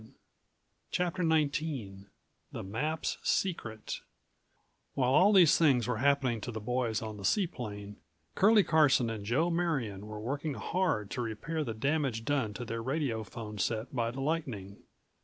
185 CHAPTER XIXTHE MAP'S SECRET While all these things were happening to the boys on the seaplane, Curlie Carson and Joe Marion were working hard to repair the damage done to their radiophone set by the lightning.